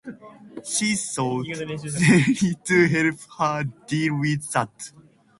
She sought therapy to help her deal with that.